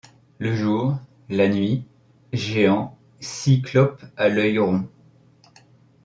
Le Jour, la Nuit, géants, cyclopes à l’œil rond